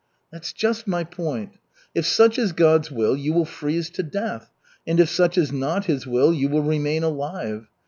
"That's just my point. If such is God's will, you will freeze to death, and if such is not His will, you will remain alive.